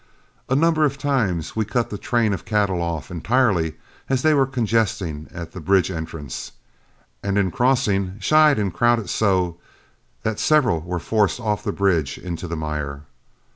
A number of times we cut the train of cattle off entirely, as they were congesting at the bridge entrance, and, in crossing, shied and crowded so that several were forced off the bridge into the mire.